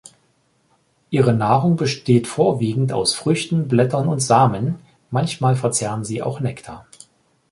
Ihre Nahrung besteht vorwiegend aus Früchten, Blättern und Samen, manchmal verzehren sie auch Nektar.